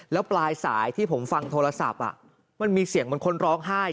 แล้วปลายสายที่ผมฟังโทรศัพท์มันมีเสียงเหมือนคนร้องไห้